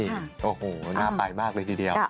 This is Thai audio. โอ้โหน่าไปมากเลยทีเดียว